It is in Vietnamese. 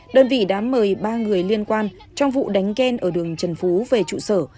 đơn vị đám mời ba người liên quan trong vụ đánh khen ở đường trần phú về trụ sở